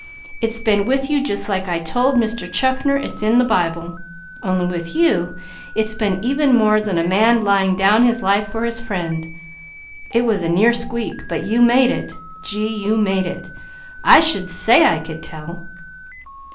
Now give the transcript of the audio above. It's been with you, like I told Mr. Chaffner it's in the Bible; only with you, it's been even more than a man 'laying down his life for his friend,' it was a near squeak, but you made it! Gee, you made it! I should say I could tell!"